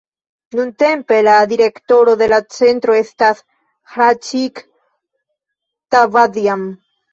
Nuntempe la direktoro de la centro estas Hraĉik Tavadjan.